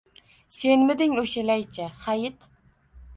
– Senmiding o‘sha laycha? Hayt!